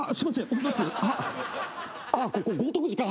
あっここ豪徳寺か。